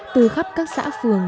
từ khắp các xã phường